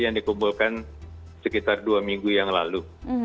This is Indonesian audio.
yang dikumpulkan sekitar dua minggu yang lalu